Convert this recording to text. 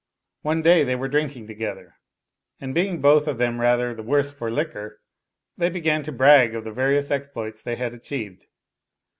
One day they were drinking together, and being both of them rather the worse for liquor, they began to brag of the various exploits they had achieved.